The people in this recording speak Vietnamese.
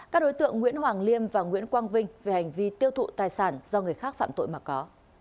các đối tượng nguyễn hoàng liêm và nguyễn quang vinh về hành vi tiêu thụ tài sản do người khác phạm tội mà có